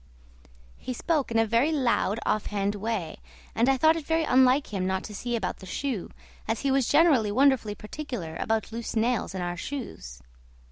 He spoke in a very loud, offhand way, and I thought it very unlike him not to see about the shoe, as he was generally wonderfully particular about loose nails in our shoes.